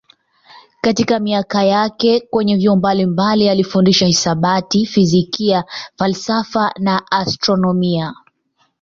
Katika miaka yake kwenye vyuo mbalimbali alifundisha hisabati, fizikia, falsafa na astronomia.